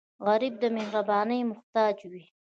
غریب د مهربانۍ محتاج وي